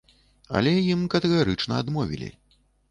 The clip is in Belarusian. Але ім катэгарычна адмовілі.